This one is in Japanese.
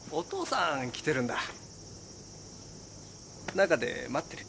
中で待ってる。